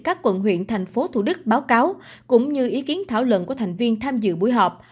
các quận huyện thành phố thủ đức báo cáo cũng như ý kiến thảo luận của thành viên tham dự buổi họp